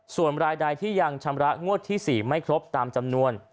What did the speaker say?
ส่วนรายใดที่ยังชำระงวดที่๔ไม่ครบตามจำนวน